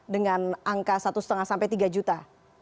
kemudian diberikan pada saat tes swab dengan angka satu lima sampai tiga juta